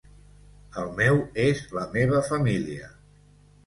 El meu és la meva família.